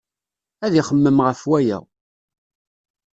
Ad ixemmem ɣef waya.